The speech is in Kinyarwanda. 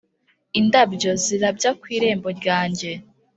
indabyo zirabya ku irembo ryanjye,